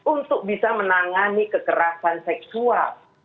untuk bisa menangani kekerasan seksual